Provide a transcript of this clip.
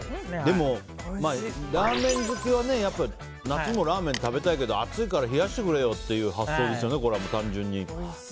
でもラーメン好きは夏もラーメン食べたいけど暑いから冷やしてくれよっていう発想ですよね、単純に。